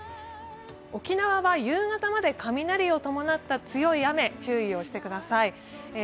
沖縄は夕方まで雷を伴った強い雨に注意をしてください。